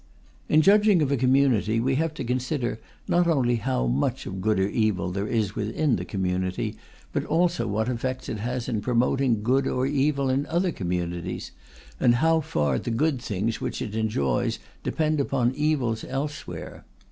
In judging of a community, we have to consider, not only how much of good or evil there is within the community, but also what effects it has in promoting good or evil in other communities, and how far the good things which it enjoys depend upon evils elsewhere.